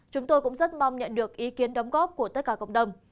chúng tôi cũng rất mong nhận được ý kiến đồng ý